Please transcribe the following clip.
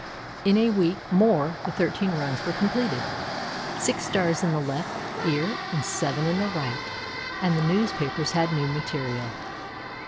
In a week more the thirteen runs were completed, six stars in the left ear and seven in the right, and the newspapers had new material.